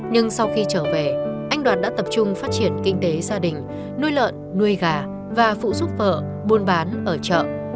nhưng sau khi trở về anh đoàn đã tập trung phát triển kinh tế gia đình nuôi lợn nuôi gà và phụ giúp vợ buôn bán ở chợ